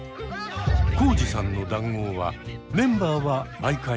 コウジさんの談合はメンバーは毎回同じ。